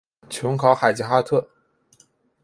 琼考海吉哈特。